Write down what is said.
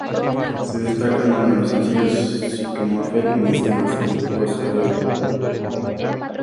Se destacan los sencillos ""Sycamore Feeling"" y ""Silver Surfer, Ghost Rider Go!!!"".